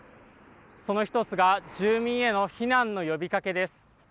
その一つが、住民への避難の呼びかけです。